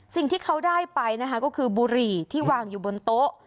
สิ่งที่เขาได้ไปนะคะก็คือบุหรี่ที่วางอยู่บนโต๊ะ